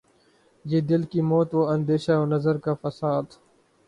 یہ دل کی موت وہ اندیشہ و نظر کا فساد